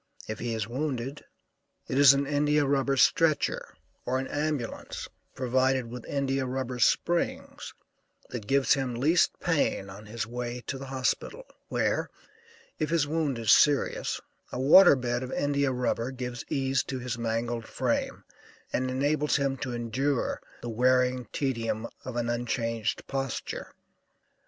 If he is wounded it is an India rubber stretcher or an ambulance, provided with India rubber springs, that gives him least pain on his way to the hospital, where, if his wound is serious, a water bed of India rubber gives ease to his mangled frame, and enables him to endure the wearing tedium of an unchanged posture.